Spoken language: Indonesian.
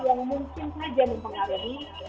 yang mungkin saja mempengaruhi